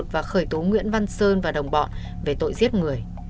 và khởi tố nguyễn văn sơn và đồng bọn về tội giết người